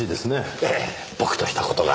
ええ僕とした事が。